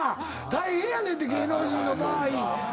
大変やねんて芸能人の場合。